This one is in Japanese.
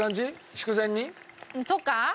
筑前煮？とか。